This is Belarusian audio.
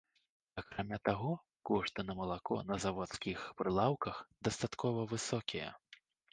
Акрамя таго, кошты на малако на заводскіх прылаўках дастаткова высокія.